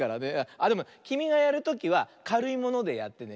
あっでもきみがやるときはかるいものでやってね。